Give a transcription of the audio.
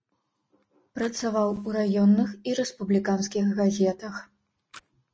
Працаваў у раённых і рэспубліканскіх газетах.